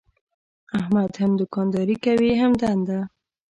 احمد هم دوکانداري کوي هم دنده.